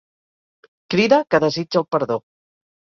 Crida que desitja el perdó.